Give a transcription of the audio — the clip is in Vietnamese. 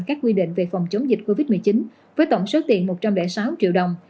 các quy định về phòng chống dịch covid một mươi chín với tổng số tiền một trăm linh sáu triệu đồng